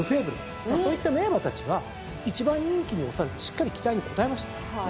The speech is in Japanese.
そういった名馬たちが１番人気におされてしっかり期待に応えました。